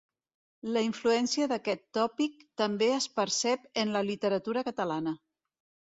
La influència d'aquest tòpic també es percep en la literatura catalana.